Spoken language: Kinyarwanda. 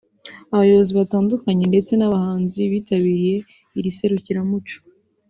abayobozi batandukanye ndetse n’abahanzi bitabiriye iri serukiramuco